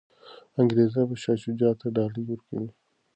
انګریزان به شاه شجاع ته ډالۍ ورکوي.